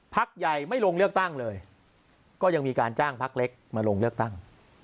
พักใหญ่ไม่ลงเลือกตั้งเลยก็ยังมีการจ้างพักเล็กมาลงเลือกตั้ง